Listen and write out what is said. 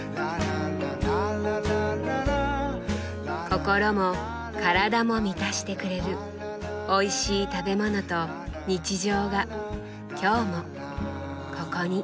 心も体も満たしてくれるおいしい食べ物と日常が今日もここに。